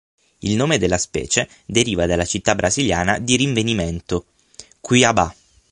Il nome della specie deriva dalla città brasiliana di rinvenimento: "Cuiabá".